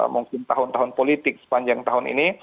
mungkin tahun tahun politik sepanjang tahun ini